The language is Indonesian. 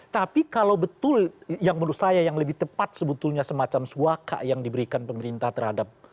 tapi kalau betul yang menurut saya yang lebih tepat sebetulnya semacam suaka yang diberikan pemerintah terhadap